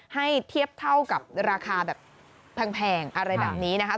ให้เทียบเท่ากับราคาแบบแพงอะไรแบบนี้นะคะ